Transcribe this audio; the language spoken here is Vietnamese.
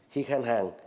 khi khăn hàng